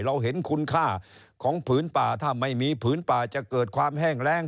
เราเห็นคุณค่าของผืนป่าถ้าไม่มีผืนป่าจะเกิดความแห้งแรง